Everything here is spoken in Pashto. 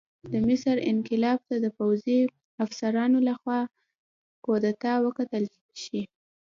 د مصر انقلاب ته د پوځي افسرانو لخوا کودتا وکتل شي.